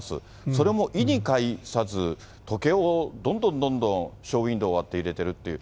それも意に介さず、時計をどんどんどんどんショーウインドーを割って入れてるっていう。